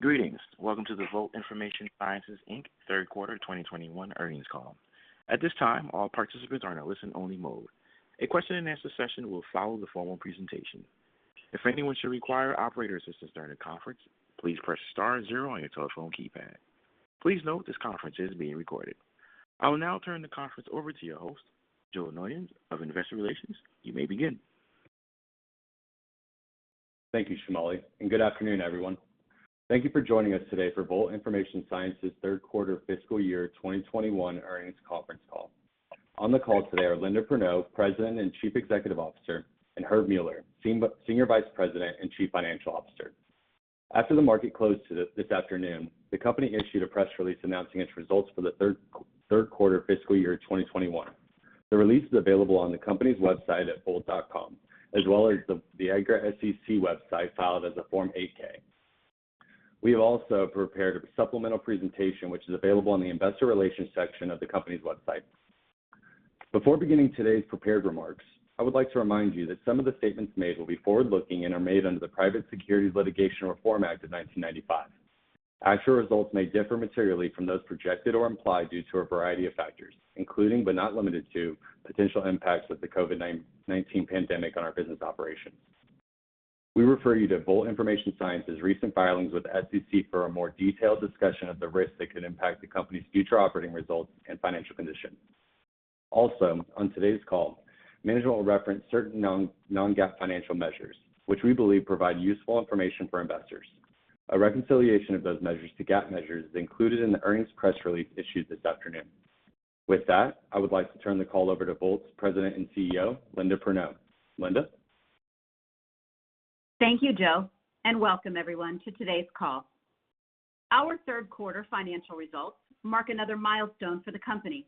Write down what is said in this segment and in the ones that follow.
Greetings. Welcome to the Volt Information Sciences, Inc. Third Quarter 2021 earnings call. At this time, all participants are in a listen only mode. A question and answer session will follow the formal presentation. If anyone should require operator assistance during the conference, please press star zero on your telephone keypad. Please note this conference is being recorded. I will now turn the conference over to your host, Joe Noyons of Investor Relations. You may begin. Thank you, Shamali. Good afternoon, everyone. Thank you for joining us today for Volt Information Sciences' Third Quarter fiscal year 2021 earnings conference call. On the call today are Linda Perneau, President and Chief Executive Officer, and Herb Mueller, Senior Vice President and Chief Financial Officer. After the market closed this afternoon, the company issued a press release announcing its results for the third quarter fiscal year 2021. The release is available on the company's website at volt.com, as well as the EDGAR SEC website filed as a Form 8-K. We have also prepared a supplemental presentation which is available on the investor relations section of the company's website. Before beginning today's prepared remarks, I would like to remind you that some of the statements made will be forward-looking and are made under the Private Securities Litigation Reform Act of 1995. Actual results may differ materially from those projected or implied due to a variety of factors, including but not limited to potential impacts with the COVID-19 pandemic on our business operations. We refer you to Volt Information Sciences' recent filings with the SEC for a more detailed discussion of the risks that could impact the company's future operating results and financial condition. Also on today's call, management will reference certain non-GAAP financial measures, which we believe provide useful information for investors. A reconciliation of those measures to GAAP measures is included in the earnings press release issued this afternoon. With that, I would like to turn the call over to Volt's President and CEO, Linda Perneau. Linda? Thank you, Joe, and welcome everyone to today's call. Our third quarter financial results mark another milestone for the company,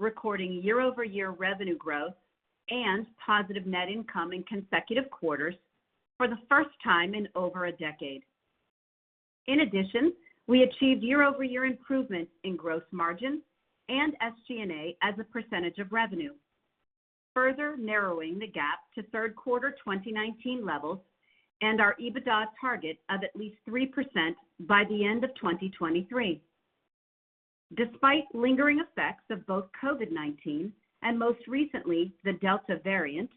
recording year-over-year revenue growth and positive net income in consecutive quarters for the first time in over a decade. In addition, we achieved year-over-year improvement in gross margin and SG&A as a percentage of revenue, further narrowing the gap to third quarter 2019 levels and our EBITDA target of at least 3% by the end of 2023. Despite lingering effects of both COVID-19, and most recently, the Delta variant,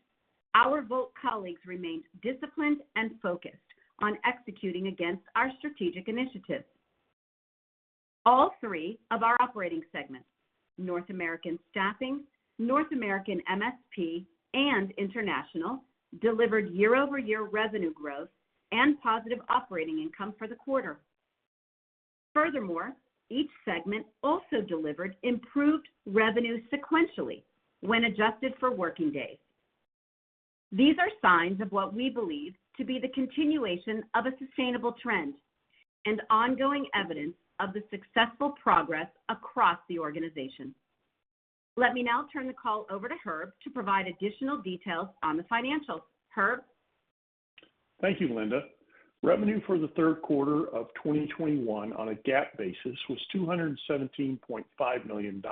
our Volt colleagues remained disciplined and focused on executing against our strategic initiatives. All three of our operating segments, North American Staffing, North American MSP, and international, delivered year-over-year revenue growth and positive operating income for the quarter. Furthermore, each segment also delivered improved revenue sequentially when adjusted for working days. These are signs of what we believe to be the continuation of a sustainable trend and ongoing evidence of the successful progress across the organization. Let me now turn the call over to Herb to provide additional details on the financials. Herb? Thank you, Linda. Revenue for the third quarter of 2021 on a GAAP basis was $217.5 million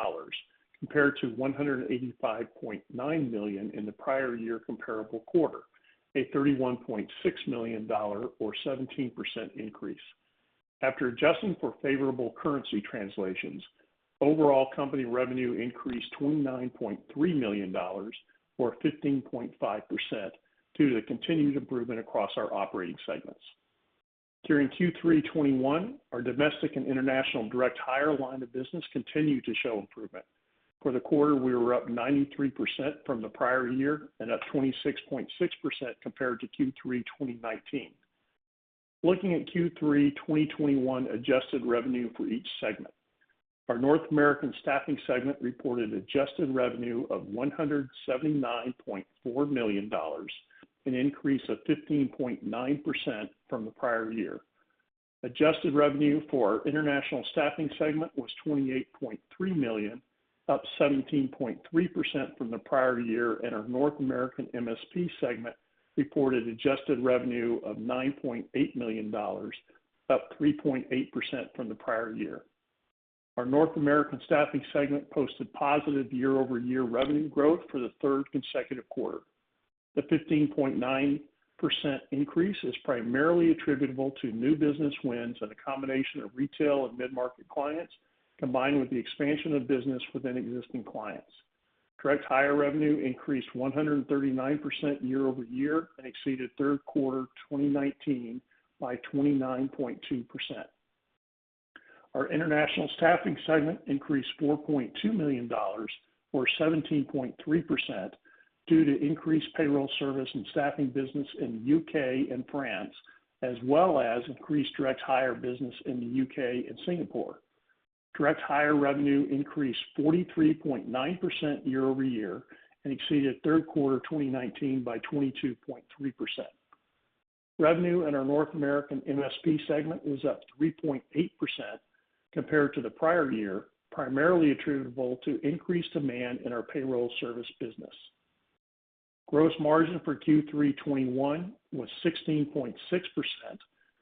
compared to $185.9 million in the prior year comparable quarter, a $31.6 million or 17% increase. After adjusting for favorable currency translations, overall company revenue increased $29.3 million or 15.5% due to the continued improvement across our operating segments. During Q3 2021, our domestic and international direct hire line of business continued to show improvement. For the quarter, we were up 93% from the prior year and up 26.6% compared to Q3 2019. Looking at Q3 2021 adjusted revenue for each segment. Our North American Staffing segment reported adjusted revenue of $179.4 million, an increase of 15.9% from the prior year. Adjusted revenue for our international staffing segment was $28.3 million, up 17.3% from the prior year, and our North American MSP segment reported adjusted revenue of $9.8 million, up 3.8% from the prior year. Our North American Staffing segment posted positive year-over-year revenue growth for the third consecutive quarter. The 15.9% increase is primarily attributable to new business wins and a combination of retail and mid-market clients, combined with the expansion of business within existing clients. Direct hire revenue increased 139% year-over-year and exceeded third quarter 2019 by 29.2%. Our international staffing segment increased $4.2 million or 17.3% due to increased payroll service and staffing business in the U.K. and France, as well as increased direct hire business in the U.K. and Singapore. Direct hire revenue increased 43.9% year-over-year and exceeded third quarter 2019 by 22.3%. Revenue in our North American MSP segment was up 3.8% compared to the prior year, primarily attributable to increased demand in our payroll service business. Gross margin for Q3 2021 was 16.6%,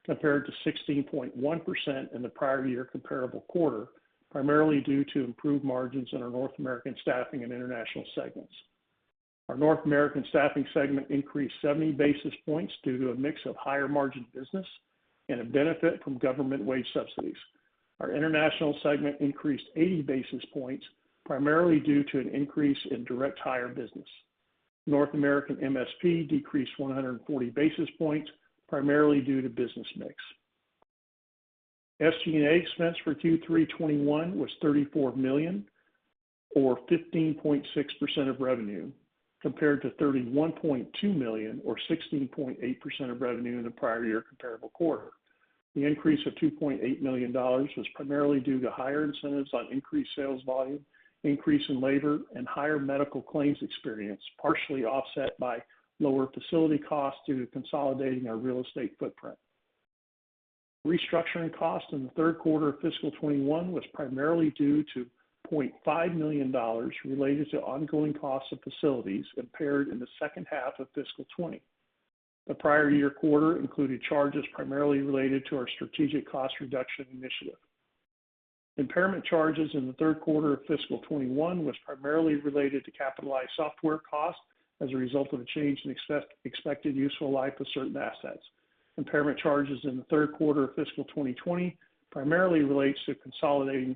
compared to 16.1% in the prior year comparable quarter, primarily due to improved margins in our North American Staffing and international segments. Our North American Staffing segment increased 70 basis points due to a mix of higher margin business and a benefit from government wage subsidies. Our international segment increased 80 basis points, primarily due to an increase in direct hire business. North American MSP decreased 140 basis points, primarily due to business mix. SG&A expense for Q3 2021 was $34 million, or 15.6% of revenue, compared to $31.2 million or 16.8% of revenue in the prior year comparable quarter. The increase of $2.8 million was primarily due to higher incentives on increased sales volume, increase in labor, and higher medical claims experience, partially offset by lower facility costs due to consolidating our real estate footprint. Restructuring costs in the third quarter of fiscal 2021 was primarily due to $20.5 million related to ongoing costs of facilities impaired in the second half of fiscal 2020. The prior year quarter included charges primarily related to our strategic cost reduction initiative. Impairment charges in the third quarter of fiscal 2021 was primarily related to capitalized software costs as a result of a change in expected useful life of certain assets. Impairment charges in the third quarter of fiscal 2020 primarily relates to consolidating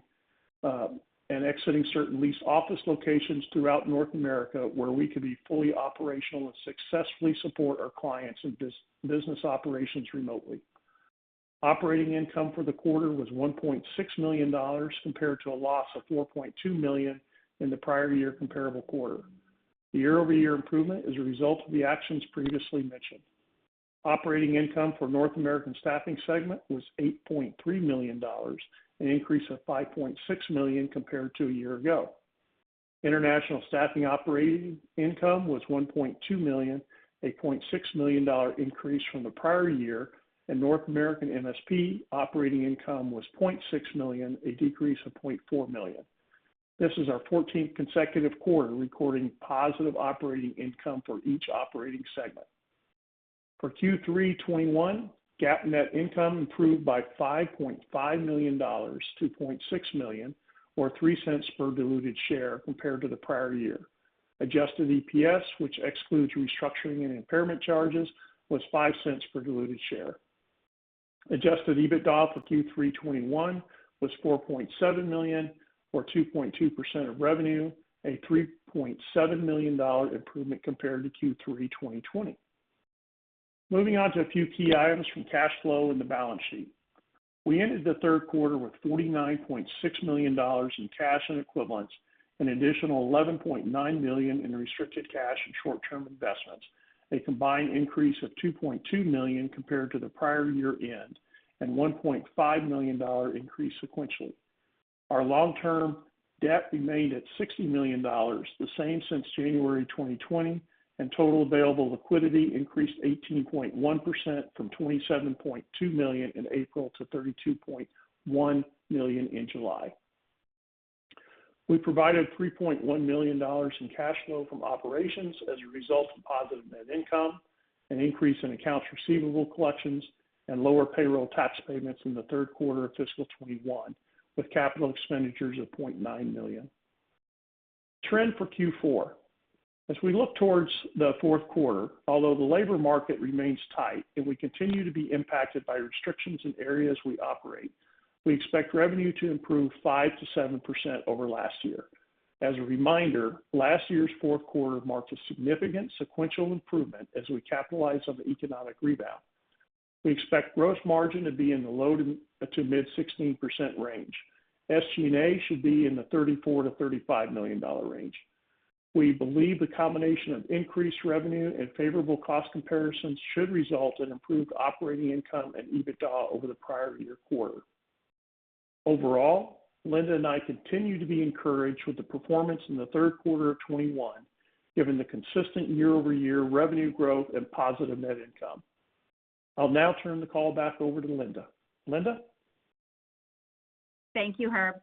and exiting certain lease office locations throughout North America where we could be fully operational and successfully support our clients and business operations remotely. Operating income for the quarter was $1.6 million, compared to a loss of $4.2 million in the prior year comparable quarter. The year-over-year improvement is a result of the actions previously mentioned. Operating income for North American Staffing segment was $8.3 million, an increase of $5.6 million compared to a year ago. International staffing operating income was $1.2 million, a $0.6 million increase from the prior year, and North American MSP operating income was $0.6 million, a decrease of $0.4 million. This is our 14th consecutive quarter recording positive operating income for each operating segment. For Q3 2021, GAAP net income improved by $5.5 million to $0.6 million, or $0.03 per diluted share compared to the prior year. Adjusted EPS, which excludes restructuring and impairment charges, was $0.05 per diluted share. Adjusted EBITDA for Q3 2021 was $4.7 million, or 2.2% of revenue, a $3.7 million improvement compared to Q3 2020. Moving on to a few key items from cash flow and the balance sheet. We ended the third quarter with $49.6 million in cash and equivalents, an additional $11.9 million in restricted cash and short-term investments, a combined increase of $2.2 million compared to the prior year end, and $1.5 million increase sequentially. Our long-term debt remained at $60 million, the same since January 2020, and total available liquidity increased 18.1% from $27.2 million in April to $32.1 million in July. We provided $3.1 million in cash flow from operations as a result of positive net income, an increase in accounts receivable collections, and lower payroll tax payments in the third quarter of fiscal 2021, with capital expenditures of $0.9 million. Trend for Q4. As we look towards the fourth quarter, although the labor market remains tight and we continue to be impacted by restrictions in areas we operate, we expect revenue to improve 5%-7% over last year. As a reminder, last year's fourth quarter marked a significant sequential improvement as we capitalize on the economic rebound. We expect gross margin to be in the low to mid 16% range. SG&A should be in the $34 million-$35 million range. We believe the combination of increased revenue and favorable cost comparisons should result in improved operating income and EBITDA over the prior year quarter. Overall, Linda and I continue to be encouraged with the performance in the third quarter of 2021, given the consistent year-over-year revenue growth and positive net income. I'll now turn the call back over to Linda. Linda? Thank you, Herb.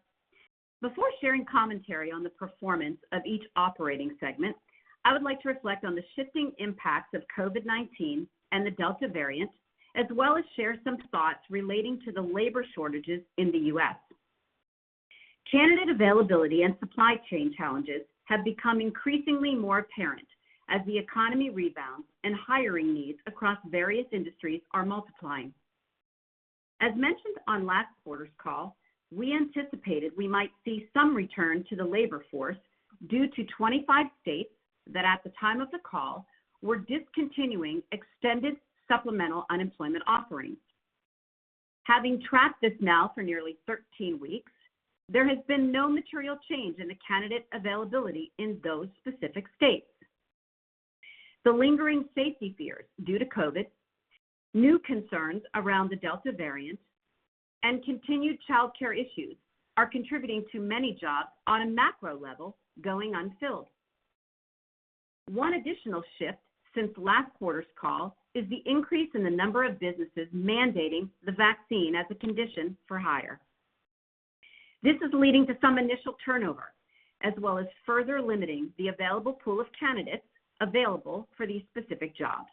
Before sharing commentary on the performance of each operating segment, I would like to reflect on the shifting impacts of COVID-19 and the Delta variant, as well as share some thoughts relating to the labor shortages in the U.S. Candidate availability and supply chain challenges have become increasingly more apparent as the economy rebounds and hiring needs across various industries are multiplying. As mentioned on last quarter's call, we anticipated we might see some return to the labor force due to 25 states that, at the time of the call, were discontinuing extended supplemental unemployment offerings. Having tracked this now for nearly 13 weeks, there has been no material change in the candidate availability in those specific states. The lingering safety fears due to COVID, new concerns around the Delta variant, and continued childcare issues are contributing to many jobs on a macro level going unfilled. One additional shift since last quarter's call is the increase in the number of businesses mandating the vaccine as a condition for hire. This is leading to some initial turnover, as well as further limiting the available pool of candidates available for these specific jobs.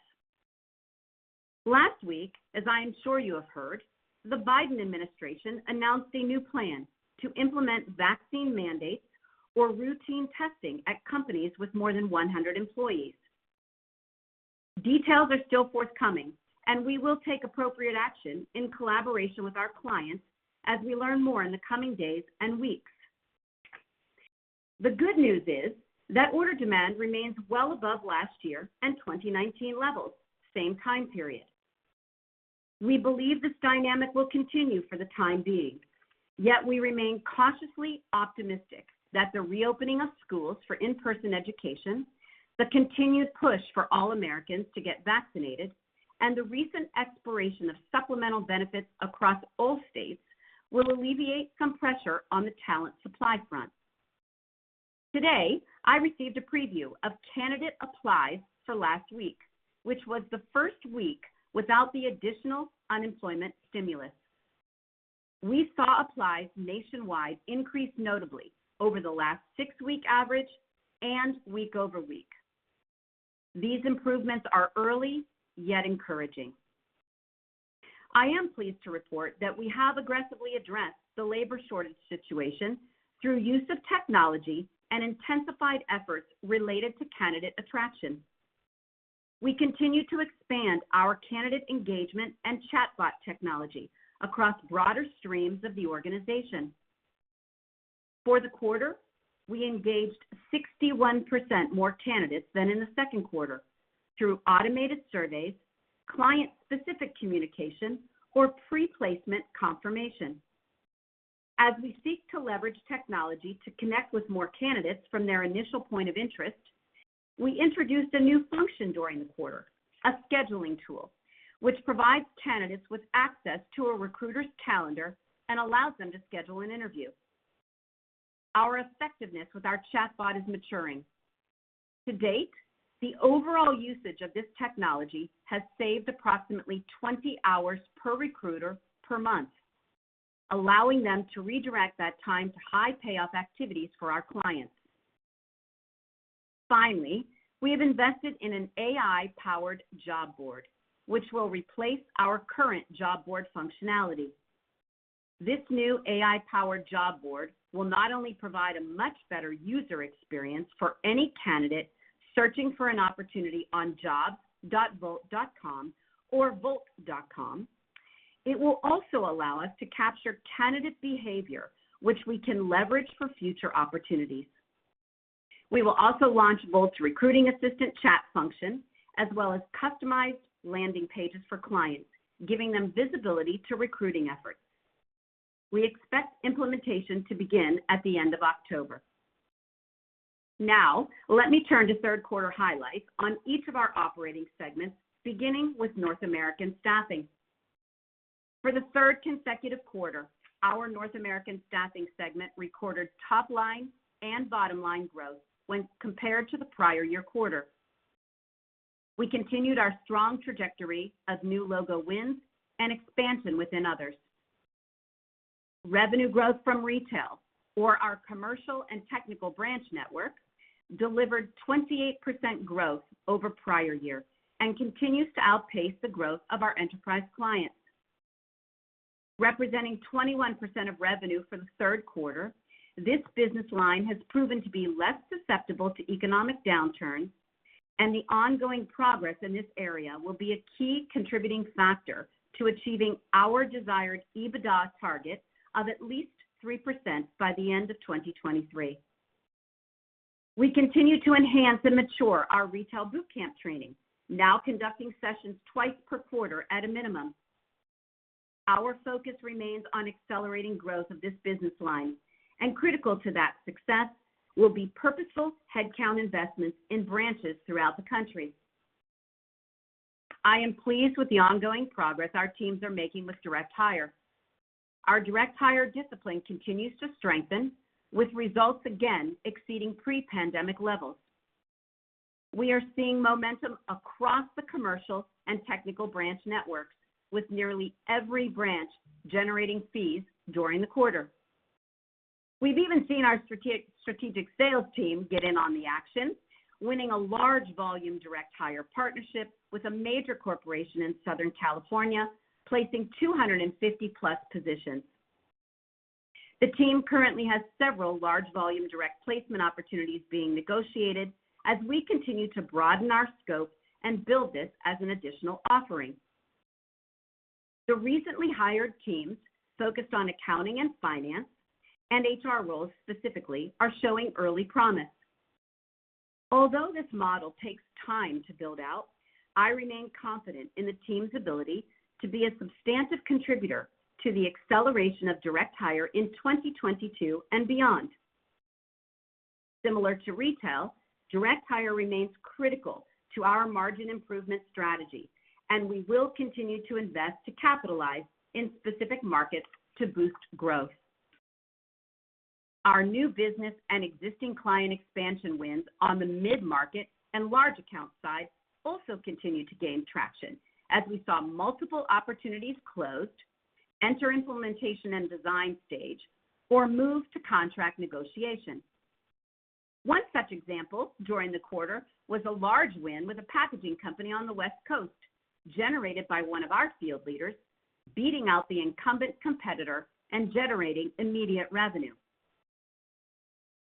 Last week, as I am sure you have heard, the Biden administration announced a new plan to implement vaccine mandates or routine testing at companies with more than 100 employees. Details are still forthcoming, and we will take appropriate action in collaboration with our clients as we learn more in the coming days and weeks. The good news is that order demand remains well above last year and 2019 levels, same time period. We believe this dynamic will continue for the time being. Yet we remain cautiously optimistic that the reopening of schools for in-person education, the continued push for all Americans to get vaccinated, and the recent expiration of supplemental benefits across all states will alleviate some pressure on the talent supply front. Today, I received a preview of candidate applies for last week, which was the first week without the additional unemployment stimulus. We saw applies nationwide increase notably over the last six-week average and week-over-week. These improvements are early, yet encouraging. I am pleased to report that we have aggressively addressed the labor shortage situation through use of technology and intensified efforts related to candidate attraction. We continue to expand our candidate engagement and chatbot technology across broader streams of the organization. For the quarter, we engaged 61% more candidates than in the second quarter through automated surveys, client-specific communication, or pre-placement confirmation. As we seek to leverage technology to connect with more candidates from their initial point of interest, we introduced a new function during the quarter, a scheduling tool, which provides candidates with access to a recruiter's calendar and allows them to schedule an interview. Our effectiveness with our chatbot is maturing. To date, the overall usage of this technology has saved approximately 20 hours per recruiter per month, allowing them to redirect that time to high-payoff activities for our clients. Finally, we have invested in an AI-powered job board, which will replace our current job board functionality. This new AI-powered job board will not only provide a much better user experience for any candidate searching for an opportunity on jobs.volt.com or volt.com, it will also allow us to capture candidate behavior, which we can leverage for future opportunities. We will also launch Volt's recruiting assistant chat function, as well as customized landing pages for clients, giving them visibility to recruiting efforts. We expect implementation to begin at the end of October. Let me turn to third quarter highlights on each of our operating segments, beginning with North American Staffing. For the third consecutive quarter, our North American Staffing segment recorded top-line and bottom-line growth when compared to the prior year quarter. We continued our strong trajectory of new logo wins and expansion within others. Revenue growth from retail or our commercial and technical branch network delivered 28% growth over prior year and continues to outpace the growth of our enterprise clients. Representing 21% of revenue for the third quarter, this business line has proven to be less susceptible to economic downturn, and the ongoing progress in this area will be a key contributing factor to achieving our desired EBITDA target of at least 3% by the end of 2023. We continue to enhance and mature our retail boot camp training, now conducting sessions twice per quarter at a minimum. Our focus remains on accelerating growth of this business line, and critical to that success will be purposeful headcount investments in branches throughout the country. I am pleased with the ongoing progress our teams are making with direct hire. Our direct hire discipline continues to strengthen with results again exceeding pre-pandemic levels. We are seeing momentum across the commercial and technical branch networks, with nearly every branch generating fees during the quarter. We've even seen our strategic sales team get in on the action, winning a large volume direct hire partnership with a major corporation in Southern California, placing 250-plus positions. The team currently has several large volume direct placement opportunities being negotiated as we continue to broaden our scope and build this as an additional offering. The recently hired teams focused on accounting and finance and HR roles specifically are showing early promise. Although this model takes time to build out, I remain confident in the team's ability to be a substantive contributor to the acceleration of direct hire in 2022 and beyond. Similar to retail, direct hire remains critical to our margin improvement strategy, and we will continue to invest to capitalize in specific markets to boost growth. Our new business and existing client expansion wins on the mid-market and large account side also continue to gain traction as we saw multiple opportunities closed, enter implementation and design stage, or move to contract negotiation. One such example during the quarter was a large win with a packaging company on the West Coast, generated by one of our field leaders, beating out the incumbent competitor and generating immediate revenue.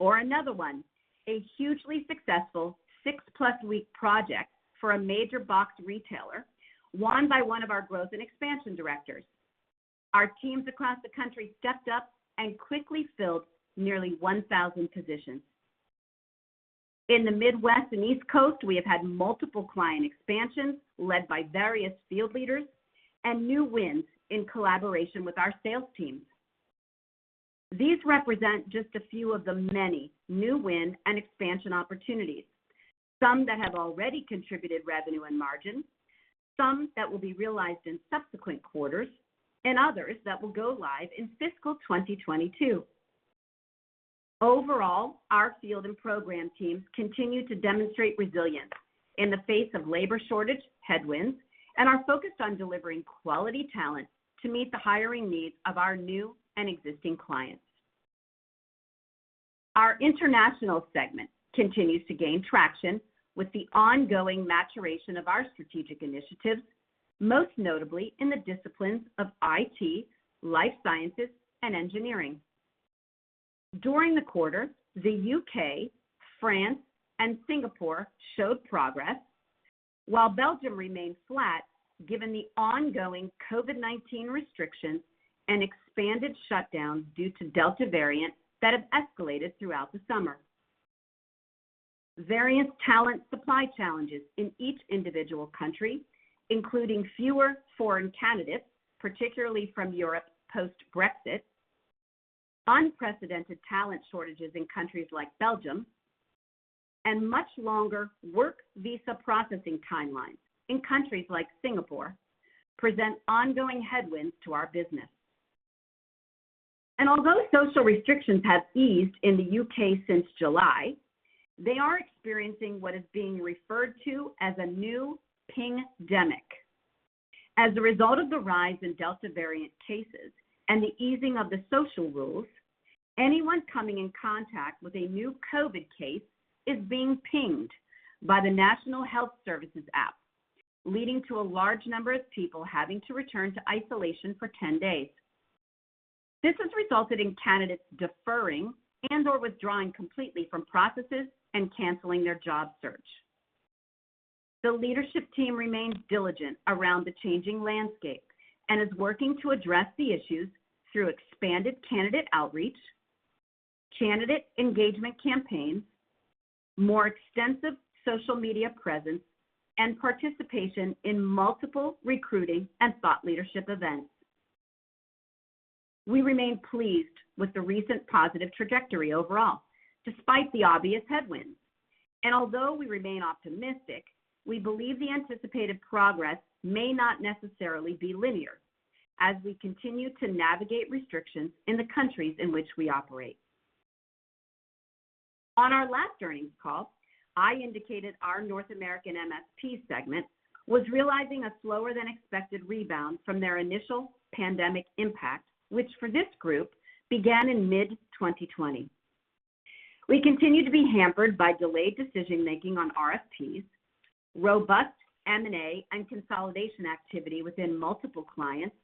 Another one, a hugely successful six-plus week project for a major box retailer won by one of our growth and expansion directors. Our teams across the country stepped up and quickly filled nearly 1,000 positions. In the Midwest and East Coast, we have had multiple client expansions led by various field leaders and new wins in collaboration with our sales teams. These represent just a few of the many new win and expansion opportunities, some that have already contributed revenue and margin, some that will be realized in subsequent quarters, and others that will go live in fiscal 2022. Overall, our field and program teams continue to demonstrate resilience in the face of labor shortage headwinds and are focused on delivering quality talent to meet the hiring needs of our new and existing clients. Our international segment continues to gain traction with the ongoing maturation of our strategic initiatives, most notably in the disciplines of IT, life sciences, and engineering. During the quarter, the U.K., France, and Singapore showed progress while Belgium remained flat given the ongoing COVID-19 restrictions and expanded shutdowns due to Delta variant that have escalated throughout the summer. Various talent supply challenges in each individual country, including fewer foreign candidates, particularly from Europe post-Brexit, unprecedented talent shortages in countries like Belgium, and much longer work visa processing timelines in countries like Singapore present ongoing headwinds to our business. Although social restrictions have eased in the U.K. since July, they are experiencing what is being referred to as a new pingdemic. As a result of the rise in Delta variant cases and the easing of the social rules, anyone coming in contact with a new COVID case is being pinged by the National Health Service app, leading to a large number of people having to return to isolation for 10 days. This has resulted in candidates deferring and/or withdrawing completely from processes and canceling their job search. The leadership team remains diligent around the changing landscape and is working to address the issues through expanded candidate outreach, candidate engagement campaigns, more extensive social media presence, and participation in multiple recruiting and thought leadership events. We remain pleased with the recent positive trajectory overall, despite the obvious headwinds. Although we remain optimistic, we believe the anticipated progress may not necessarily be linear as we continue to navigate restrictions in the countries in which we operate. On our last earnings call, I indicated our North American MSP segment was realizing a slower-than-expected rebound from their initial pandemic impact, which for this group began in mid-2020. We continue to be hampered by delayed decision-making on RFPs, robust M&A, and consolidation activity within multiple clients,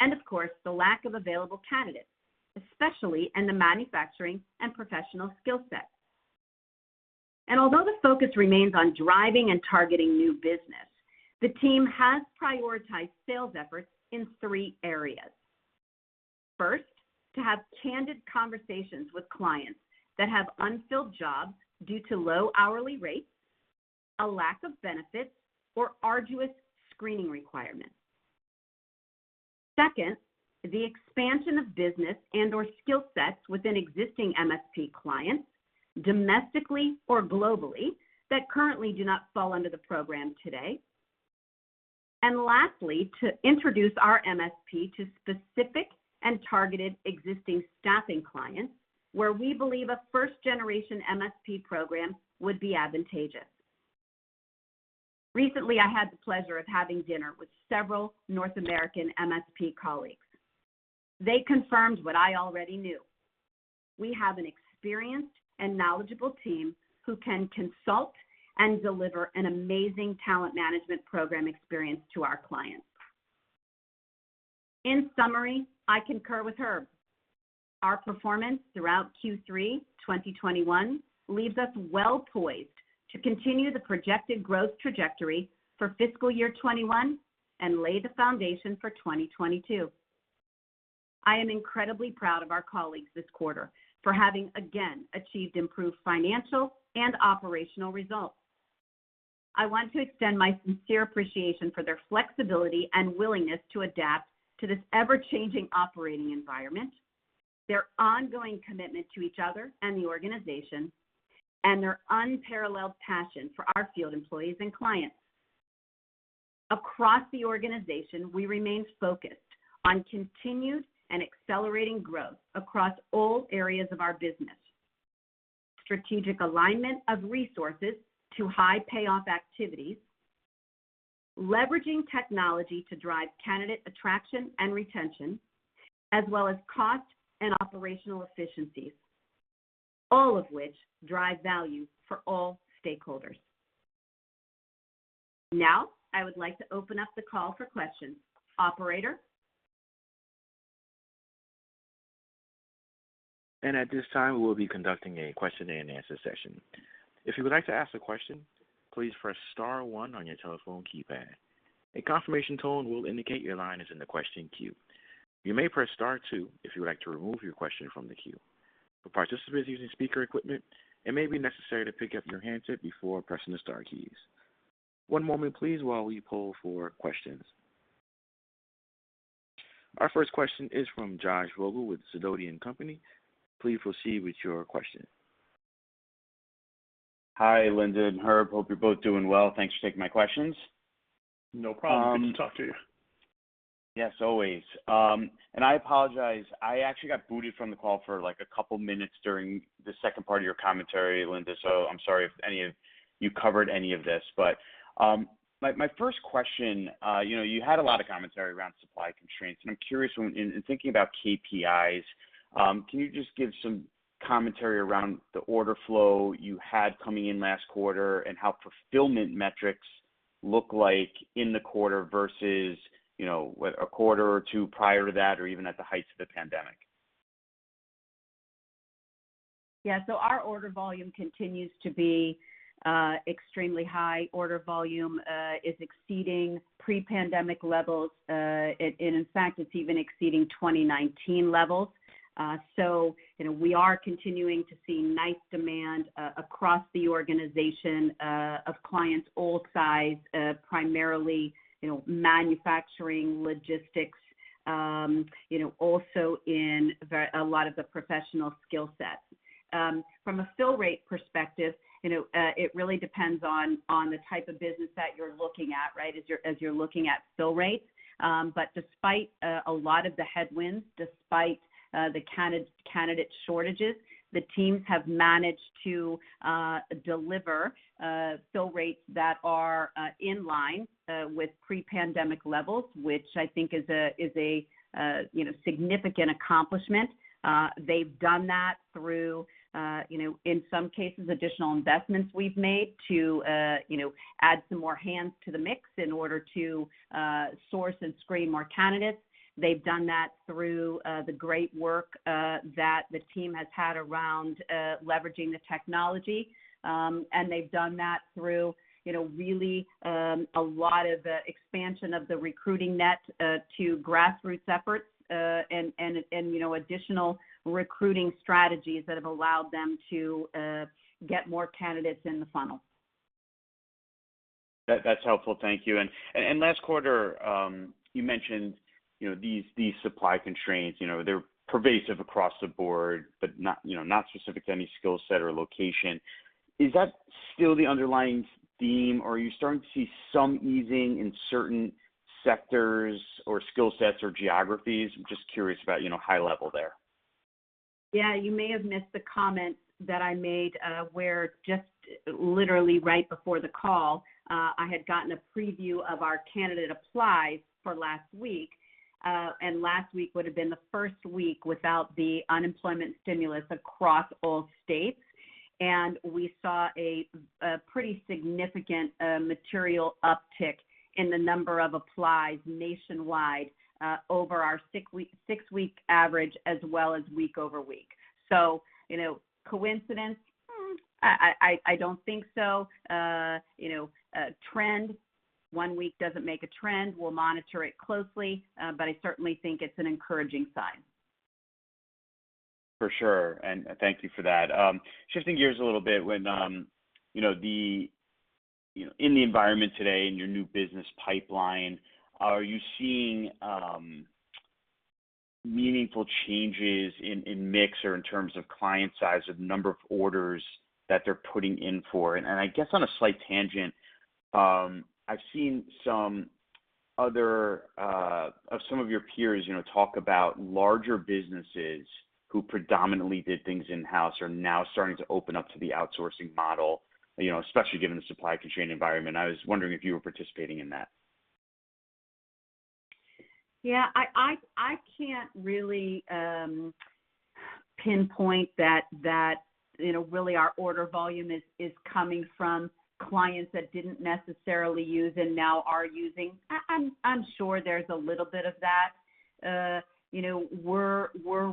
and of course, the lack of available candidates, especially in the manufacturing and professional skill sets. Although the focus remains on driving and targeting new business, the team has prioritized sales efforts in three areas. First, to have candid conversations with clients that have unfilled jobs due to low hourly rates, a lack of benefits, or arduous screening requirements. Second, the expansion of business and/or skill sets within existing MSP clients, domestically or globally, that currently do not fall under the program today. Lastly, to introduce our MSP to specific and targeted existing staffing clients where we believe a first-generation MSP program would be advantageous. Recently, I had the pleasure of having dinner with several North American MSP colleagues. They confirmed what I already knew. We have an experienced and knowledgeable team who can consult and deliver an amazing talent management program experience to our clients. In summary, I concur with Herb. Our performance throughout Q3 2021 leaves us well-poised to continue the projected growth trajectory for fiscal year 2021 and lay the foundation for 2022. I am incredibly proud of our colleagues this quarter for having again achieved improved financial and operational results. I want to extend my sincere appreciation for their flexibility and willingness to adapt to this ever-changing operating environment, their ongoing commitment to each other and the organization, and their unparalleled passion for our field employees and clients. Across the organization, we remain focused on continued and accelerating growth across all areas of our business, strategic alignment of resources to high payoff activities, leveraging technology to drive candidate attraction and retention, as well as cost and operational efficiencies, all of which drive value for all stakeholders. I would like to open up the call for questions. Operator? At this time, we will be conducting a question-and-answer session. If you would like to ask a question, please press star one on your telephone keypad. A confirmation tone will indicate your line is in the question queue. You may press star two if you would like to remove your question from the queue. For participants using speaker equipment, it may be necessary to pick up your handset before pressing the star keys. One moment please while we poll for questions. Our first question is from Josh Vogel with Sidoti & Company. Please proceed with your question. Hi, Linda and Herb. Hope you're both doing well. Thanks for taking my questions. No problem. Good to talk to you. Yes, always. I apologize, I actually got booted from the call for a couple minutes during the second part of your commentary, Linda, so I'm sorry if you covered any of this. My first question, you had a lot of commentary around supply constraints, and I'm curious when, in thinking about KPIs, can you just give some commentary around the order flow you had coming in last quarter and how fulfillment metrics look like in the quarter versus, a quarter or two prior to that, or even at the heights of the pandemic? Yeah. Our order volume continues to be extremely high. Order volume is exceeding pre-pandemic levels. In fact, it's even exceeding 2019 levels. We are continuing to see nice demand across the organization of clients all size, primarily manufacturing, logistics, also in a lot of the professional skill sets. From a fill rate perspective, it really depends on the type of business that you're looking at, right, as you're looking at fill rates. Despite a lot of the headwinds, despite the candidate shortages, the teams have managed to deliver fill rates that are in line with pre-pandemic levels, which I think is a significant accomplishment. They've done that through, in some cases, additional investments we've made to add some more hands to the mix in order to source and screen more candidates. They've done that through the great work that the team has had around leveraging the technology. They've done that through really a lot of expansion of the recruiting net to grassroots efforts, and additional recruiting strategies that have allowed them to get more candidates in the funnel. That's helpful. Thank you. Last quarter, you mentioned these supply constraints, they're pervasive across the board, but not specific to any skill set or location. Is that still the underlying theme, or are you starting to see some easing in certain sectors or skill sets or geographies? I'm just curious about high level there. Yeah. You may have missed the comment that I made where just literally right before the call, I had gotten a preview of our candidate applies for last week. Last week would've been the first week without the unemployment stimulus across all states. We saw a pretty significant material uptick in the number of applies nationwide over our six-week average as well as week-over-week. Coincidence? I don't think so. A trend? One week doesn't make a trend. We'll monitor it closely. I certainly think it's an encouraging sign. For sure, and thank you for that. Shifting gears a little bit, in the environment today, in your new business pipeline, are you seeing meaningful changes in mix or in terms of client size of number of orders that they're putting in for? I guess on a slight tangent, I've seen some of your peers talk about larger businesses who predominantly did things in-house are now starting to open up to the outsourcing model, especially given the supply constraint environment. I was wondering if you were participating in that? Yeah. I can't really pinpoint that really our order volume is coming from clients that didn't necessarily use and now are using. I'm sure there's a little bit of that. We're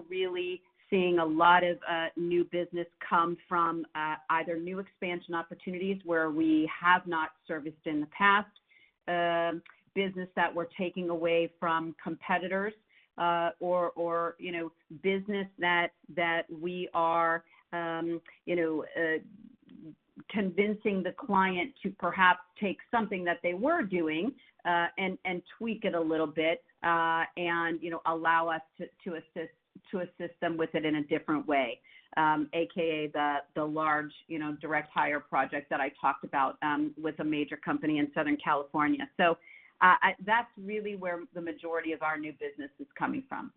really seeing a lot of new business come from either new expansion opportunities where we have not serviced in the past, business that we're taking away from competitors, or business that we are convincing the client to perhaps take something that they were doing, and tweak it a little bit, and allow us to assist them with it in a different way, AKA the large direct hire project that I talked about with a major company in Southern California. That's really where the majority of our new business is coming from.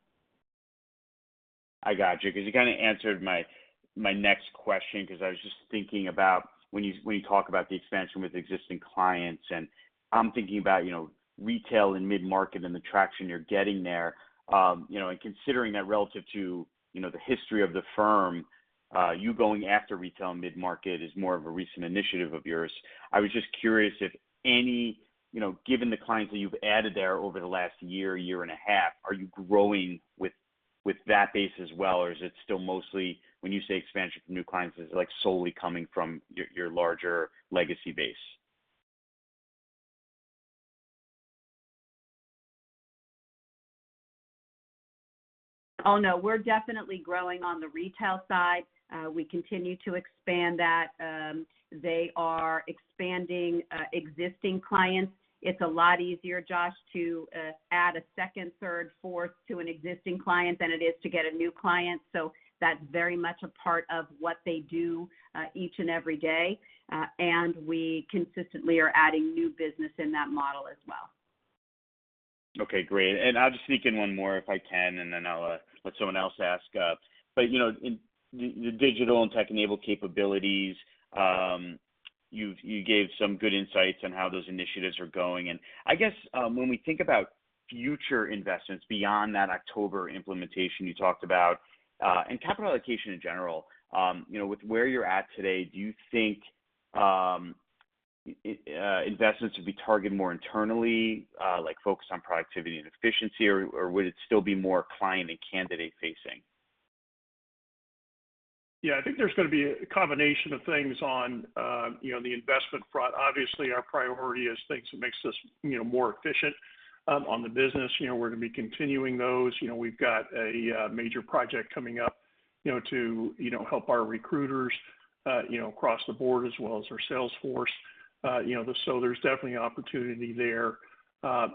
I got you. You answered my next question, because I was just thinking about when you talk about the expansion with existing clients, and I'm thinking about retail and mid-market and the traction you're getting there. Considering that relative to the history of the firm, you going after retail and mid-market is more of a recent initiative of yours. I was just curious if any, given the clients that you've added there over the last year and a half, are you growing with that base as well, or is it still mostly, when you say expansion from new clients, is it solely coming from your larger legacy base? Oh, no. We're definitely growing on the retail side. We continue to expand that. They are expanding existing clients. It's a lot easier, Josh, to add a second, third, fourth to an existing client than it is to get a new client. That's very much a part of what they do each and every day. We consistently are adding new business in that model as well. Okay, great. I'll just sneak in one more if I can, and then I'll let someone else ask. The digital and tech-enabled capabilities, you gave some good insights on how those initiatives are going. I guess, when we think about future investments beyond that October implementation you talked about, and capital allocation in general, with where you're at today, do you think investments would be targeted more internally, like focused on productivity and efficiency, or would it still be more client and candidate facing? Yeah, I think there's going to be a combination of things on the investment front. Obviously, our priority is things that makes us more efficient on the business. We're going to be continuing those. We've got a major project coming up to help our recruiters across the board as well as our sales force. There's definitely an opportunity there.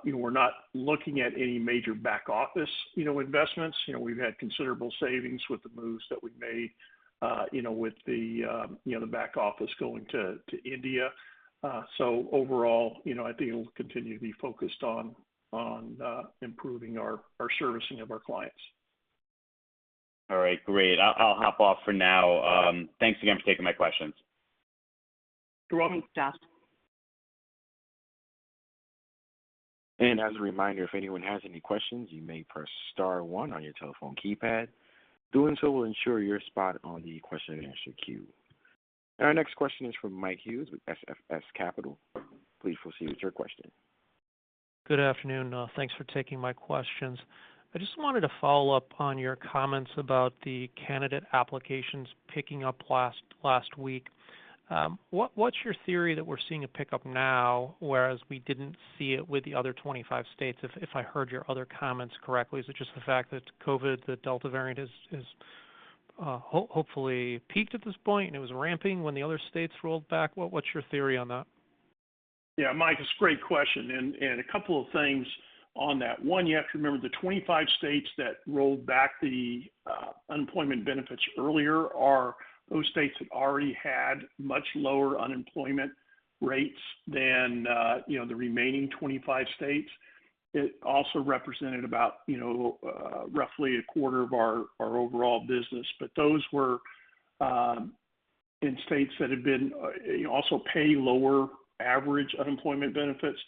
We're not looking at any major back-office investments. We've had considerable savings with the moves that we've made with the back office going to India. Overall, I think it will continue to be focused on improving our servicing of our clients. All right. Great. I'll hop off for now. Thanks again for taking my questions. You're welcome. Thanks, Josh. As a reminder, if anyone has any questions, you may press star one on your telephone keypad. Doing so will ensure your spot on the question and answer queue. Our next question is from Mike Hughes with SGF Capital. Please proceed with your question. Good afternoon. Thanks for taking my questions. I just wanted to follow up on your comments about the candidate applications picking up last week. What's your theory that we're seeing a pickup now, whereas we didn't see it with the other 25 states, if I heard your other comments correctly? Is it just the fact that COVID, the Delta variant, has hopefully peaked at this point, and it was ramping when the other states rolled back? What's your theory on that? Yeah, Mike, it's a great question, and a couple of things on that. One, you have to remember the 25 states that rolled back the unemployment benefits earlier are those states that already had much lower unemployment rates than the remaining 25 states. It also represented about roughly a quarter of our overall business. Those were in states that had been also paying lower average unemployment benefits.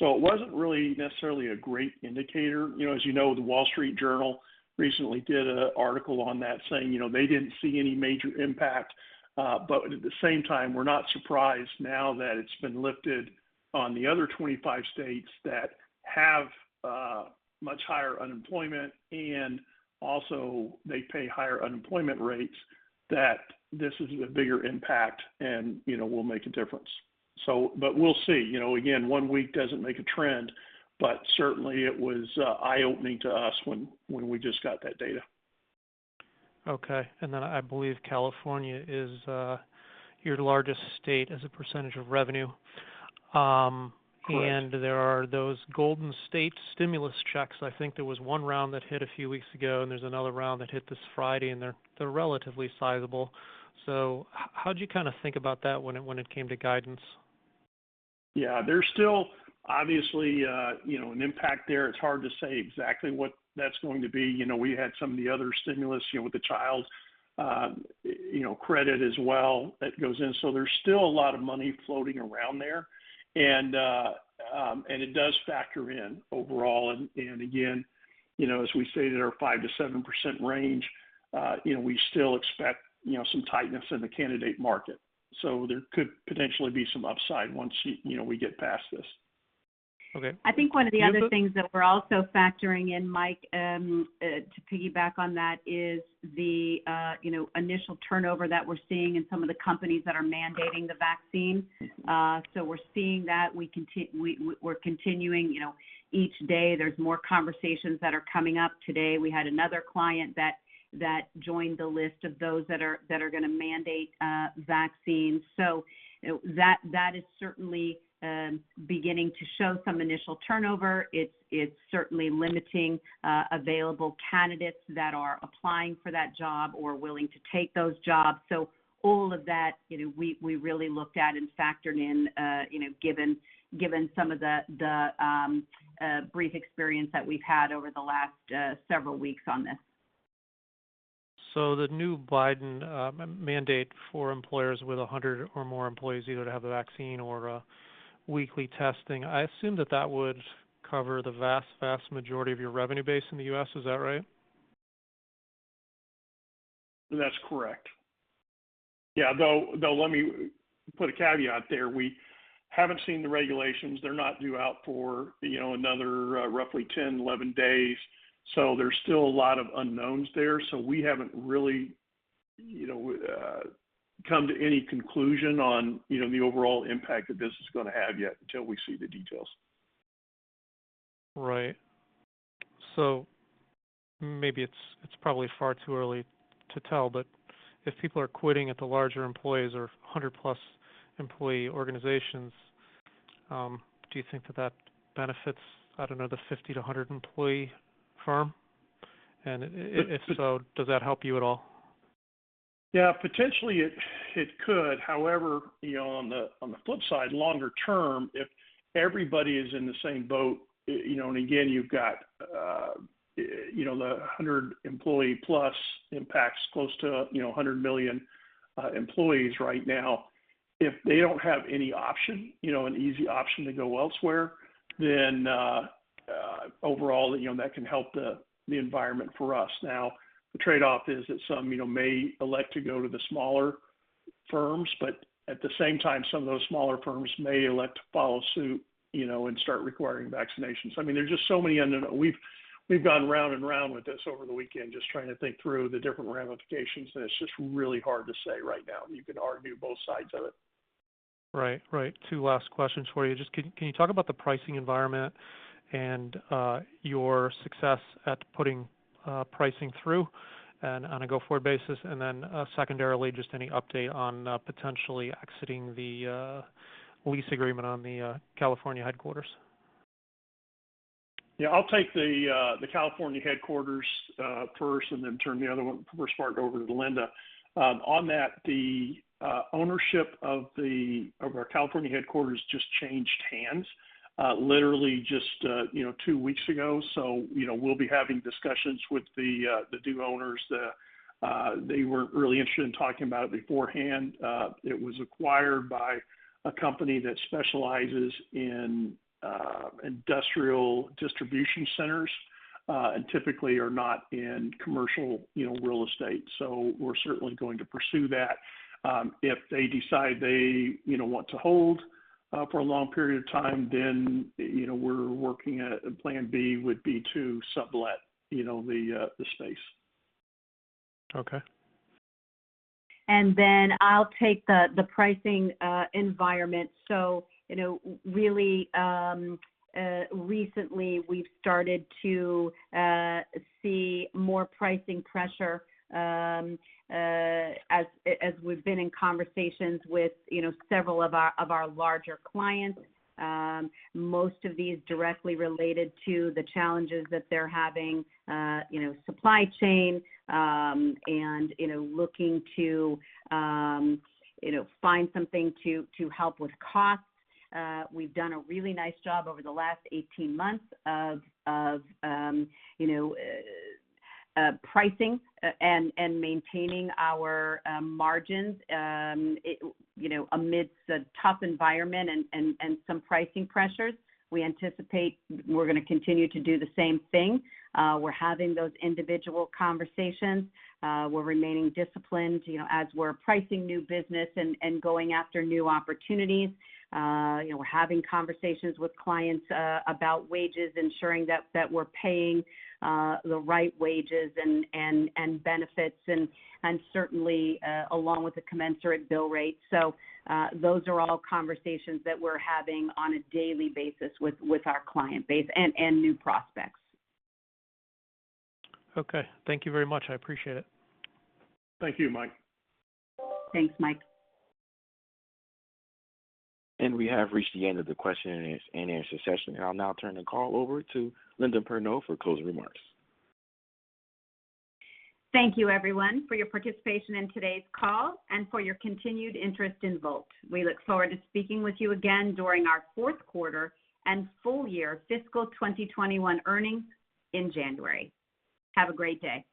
It wasn't really necessarily a great indicator. As you know, "The Wall Street Journal" recently did an article on that saying they didn't see any major impact. At the same time, we're not surprised now that it's been lifted on the other 25 states that have much higher unemployment and also they pay higher unemployment rates, that this is a bigger impact and will make a difference. We'll see. One week doesn't make a trend, but certainly it was eye-opening to us when we just got that data. Okay. I believe California is your largest state as a percentage of revenue. Correct. There are those Golden State Stimulus checks. I think there was one round that hit a few weeks ago, and there's another round that hit this Friday, and they're relatively sizable. How do you think about that when it came to guidance? Yeah. There's still obviously an impact there. It's hard to say exactly what that's going to be. We had some of the other stimulus, with the child credit as well, that goes in. There's still a lot of money floating around there, and it does factor in overall. Again, as we say that our 5%-7% range, we still expect some tightness in the candidate market. There could potentially be some upside once we get past this. Okay. I think one of the other things that we're also factoring in, Mike, to piggyback on that, is the initial turnover that we're seeing in some of the companies that are mandating the vaccine. We're seeing that. We're continuing. Each day, there's more conversations that are coming up. Today, we had another client that joined the list of those that are going to mandate vaccines. That is certainly beginning to show some initial turnover. It's certainly limiting available candidates that are applying for that job or willing to take those jobs. All of that, we really looked at and factored in, given some of the brief experience that we've had over the last several weeks on this. The new Biden mandate for employers with 100 or more employees either to have the vaccine or weekly testing, I assume that that would cover the vast majority of your revenue base in the U.S. Is that right? That's correct. Yeah. Let me put a caveat there. We haven't seen the regulations. They're not due out for another roughly 10, 11 days. There's still a lot of unknowns there. We haven't really come to any conclusion on the overall impact that this is going to have yet until we see the details. Right. Maybe it's probably far too early to tell, but if people are quitting at the larger employees or 100+ employee organizations, do you think that that benefits, I don't know, the 50-100 employee firm? If so, does that help you at all? Yeah, potentially it could. On the flip side, longer term, if everybody is in the same boat, and again, you've got the 100 employee plus impacts close to 100 million employees right now. If they don't have any option, an easy option to go elsewhere, then overall, that can help the environment for us. The trade-off is that some may elect to go to the smaller firms, but at the same time, some of those smaller firms may elect to follow suit and start requiring vaccinations. There are just so many unknowns. We've gone round and round with this over the weekend, just trying to think through the different ramifications, and it's just really hard to say right now. You can argue both sides of it. Right. Two last questions for you. Can you talk about the pricing environment and your success at putting pricing through and on a go-forward basis? Secondarily, any update on potentially exiting the lease agreement on the California headquarters? Yeah, I'll take the California headquarters first and then turn the first part over to Linda. On that, the ownership of our California headquarters just changed hands literally just two weeks ago. We'll be having discussions with the new owners. They weren't really interested in talking about it beforehand. It was acquired by a company that specializes in industrial distribution centers, typically are not in commercial real estate. We're certainly going to pursue that. If they decide they want to hold for a long period of time, we're working a plan B would be to sublet the space. Okay. I'll take the pricing environment. Really recently, we've started to see more pricing pressure as we've been in conversations with several of our larger clients. Most of these directly related to the challenges that they're having, supply chain, and looking to find something to help with costs. We've done a really nice job over the last 18 months of pricing and maintaining our margins amidst a tough environment and some pricing pressures. We anticipate we're going to continue to do the same thing. We're having those individual conversations. We're remaining disciplined as we're pricing new business and going after new opportunities. We're having conversations with clients about wages, ensuring that we're paying the right wages and benefits, and certainly along with a commensurate bill rate. Those are all conversations that we're having on a daily basis with our client base and new prospects. Okay. Thank you very much. I appreciate it. Thank you, Mike. Thanks, Mike. We have reached the end of the question and answer session. I'll now turn the call over to Linda Perneau for closing remarks. Thank you, everyone, for your participation in today's call and for your continued interest in Volt. We look forward to speaking with you again during our fourth quarter and full year fiscal 2021 earnings in January. Have a great day.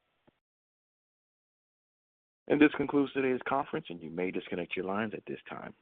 This concludes today's conference, and you may disconnect your lines at this time.